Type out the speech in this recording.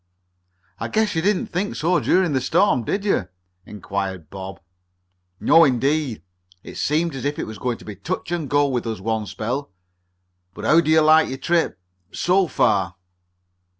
"I guess you didn't think so during the storm, did you?" inquired Bob. "No indeed! It seemed as if it was going to be touch and go with us one spell. But how do you like your trip so far?"